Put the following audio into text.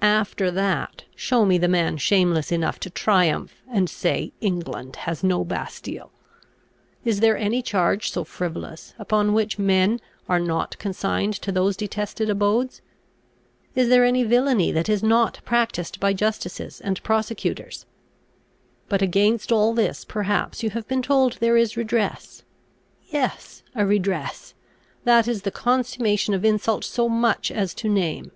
After that, show me the man shameless enough to triumph, and say, England has no Bastile! Is there any charge so frivolous, upon which men are not consigned to those detested abodes? Is there any villainy that is not practised by justices and prosecutors? But against all this perhaps you have been told there is redress. Yes; a redress, that it is the consummation of insult so much as to name!